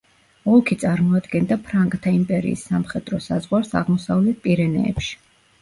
ოლქი წარმოადგენდა ფრანკთა იმპერიის სამხედრო საზღვარს აღმოსავლეთ პირენეებში.